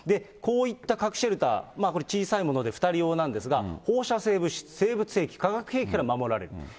こういった核シェルター、これ、小さいもので２人用なんですが、放射性物質、生物兵器、化学兵器から守られる。